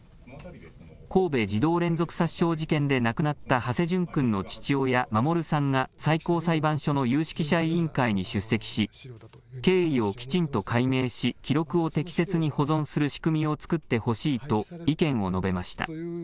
神戸児童連続殺傷事件で亡くなった土師淳君の父親、守さんが最高裁判所の有識者委員会に出席し、経緯をきちんと解明し、記録を適切に保存する仕組みを作ってほしいと意見を述べました。